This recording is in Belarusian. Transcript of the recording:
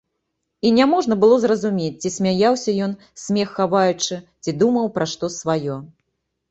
І няможна было зразумець, ці смяяўся ён, смех хаваючы, ці думаў пра што сваё.